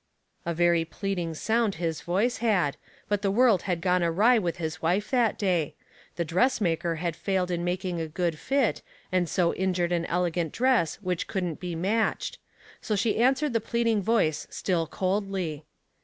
A very pleading sound his voice had, but the world had gone awry with his wife that day ; the dressmaker had failed in making a good fit, and so injured an elegant dress which couldn't be matched ; so she answered the pleading voice still coldly.